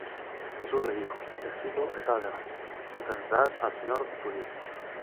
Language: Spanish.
Jesús le dijo: Escrito está además: No tentarás al Señor tu Dios.